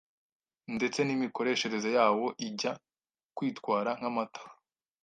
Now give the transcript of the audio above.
ndetse n’imikoreshereze yawo ijya kwitwara nk’amata,